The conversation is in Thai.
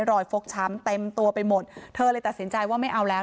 ฟกช้ำเต็มตัวไปหมดเธอเลยตัดสินใจว่าไม่เอาแล้ว